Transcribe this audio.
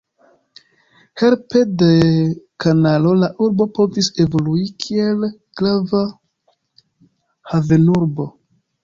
Helpe de kanalo la urbo povis evolui kiel grava havenurbo.